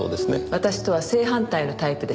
私とは正反対のタイプでした。